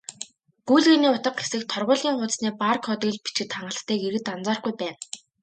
"Гүйлгээний утга" хэсэгт торгуулийн хуудасны бар кодыг л бичихэд хангалттайг иргэд анзаарахгүй байна.